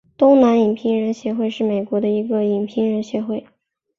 东南影评人协会是美国的一个影评人协会。